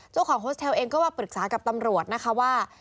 เจ้าของโฮสเทลเองก็ปรึกษากับตำรวจนะคะว่า